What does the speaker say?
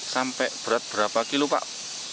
sampai berat berapa kilo pak